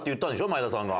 前田さんが。